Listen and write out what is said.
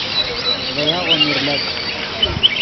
ڤے یاغو میر لک